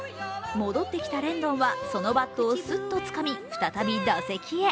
戻ってきたレンドンはそのバットをすっとつかみ再び打席へ。